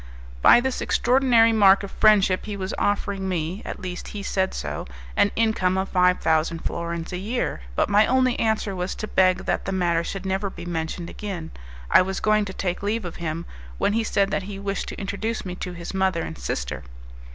By this extraordinary mark of friendship, he was offering me at least he said so an income of five thousand florins a year; but my only answer was to beg that the matter should never be mentioned again. I was going to take leave of him, when he said that he wished to introduce me to his mother and sister.